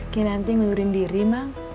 kinanti ngelurin diri mang